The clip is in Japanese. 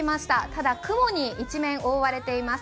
ただ雲に一面、覆われています。